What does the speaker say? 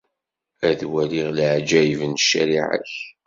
Ad waliɣ leɛǧayeb n ccariɛa-k.